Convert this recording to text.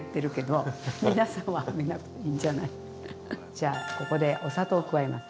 じゃあここでお砂糖を加えます。